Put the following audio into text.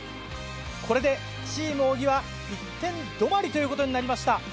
これでチーム小木は１点止まりということになりました。